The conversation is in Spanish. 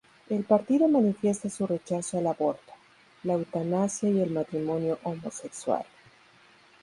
El partido manifiesta su rechazo al aborto, la eutanasia y el matrimonio homosexual.